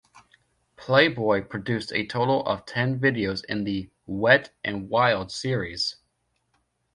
"Playboy" produced a total of ten videos in the "Wet and Wild" series.